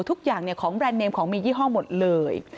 ทุกอย่างของแบรนด์เนมของมียี่ห้อหมดเลย